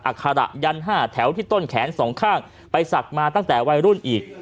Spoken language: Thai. อาคาระยัน๕แถวที่ต้นแขนสองข้างไปศักดิ์มาตั้งแต่วัยรุ่นอีก